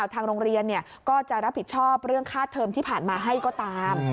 ทางโรงเรียนก็จะรับผิดชอบเรื่องค่าเทอมที่ผ่านมาให้ก็ตาม